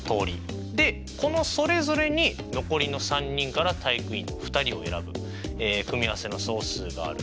でこのそれぞれに残りの３人から体育委員２人を選ぶ組合せの総数がある。